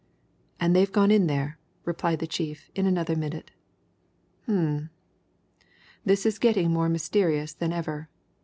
"And they've gone in there," replied the chief in another minute. "Um! this is getting more mysterious than ever.